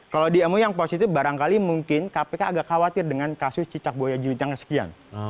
kalau di mou yang positif barangkali mungkin kpk agak khawatir dengan kasus cicak boyajilin yang kesekian